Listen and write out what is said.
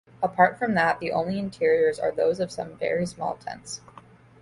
Apart from that, the only interiors are those of some very small tents.